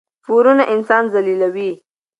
پورونه انسان ذلیلوي.